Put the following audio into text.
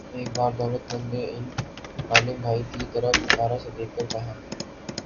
ایک بار دولت مند نے عالم بھائی کی طرف حقارت سے دیکھ کر کہا